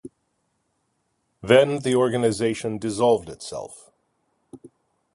Then the organization dissolved itself.